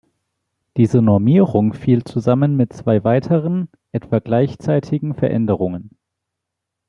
Diese Normierung fiel zusammen mit zwei weiteren, etwa gleichzeitigen Veränderungen.